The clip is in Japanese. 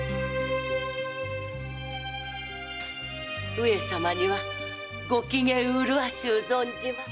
上様にはごきげん麗しゅう存じます。